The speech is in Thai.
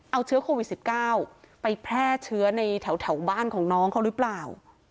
เอาเชื้อโควิด๑๙ไปแพร่เชื้อในแถวบ้านของน้องเขาหรือเปล่า